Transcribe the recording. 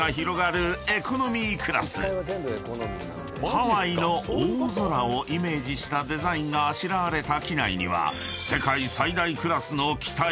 ［ハワイの大空をイメージしたデザインがあしらわれた機内には］